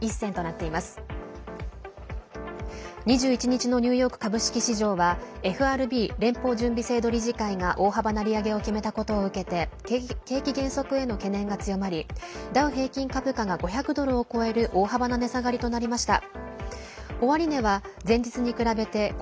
２１日のニューヨーク株式市場はＦＲＢ＝連邦準備制度理事会が大幅な利上げを決めたことを受けて景気減速への懸念が強まりダウ平均株価が５００ドルを超える大幅な値下がりとなりました。